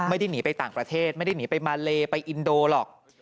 ไม่ได้หนีไปต่างประเทศไม่ได้หนีไปมาเลไปอินโดหรอก